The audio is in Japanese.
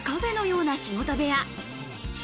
まるでカフェのような仕事部屋。